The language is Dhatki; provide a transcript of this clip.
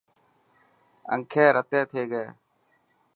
انکي رتي ٿي گئي.